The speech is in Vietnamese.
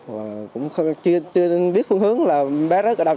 và cũng chưa biết phương hướng là bé rất là đau